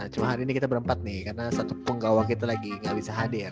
cuma hari ini kita berempat nih karena satu penggawa kita lagi gak bisa hadir